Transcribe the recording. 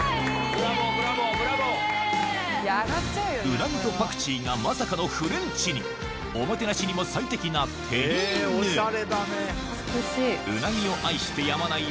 うなぎとパクチーがまさかのフレンチにおもてなしにも最適なテリーヌうん！